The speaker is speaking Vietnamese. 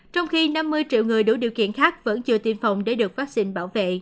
trong khi năm mươi triệu người đủ điều kiện khác vẫn chưa tiêm phòng để được vaccine bảo vệ